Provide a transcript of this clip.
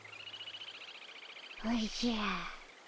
おじゃ。